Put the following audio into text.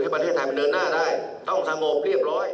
ประเทศไทยมันเดินหน้าได้ต้องสงบเรียบร้อย